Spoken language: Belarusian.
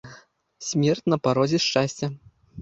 Смерць на парозе шчасця!